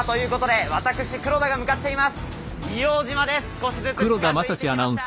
少しずつ近づいてきました。